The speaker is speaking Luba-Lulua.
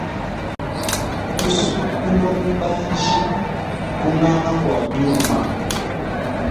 Kusua kulua mubanji, kunanga kua biuma.